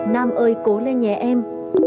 nam ơi cố lên nhé em